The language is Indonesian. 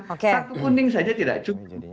satu kuning saja tidak cukup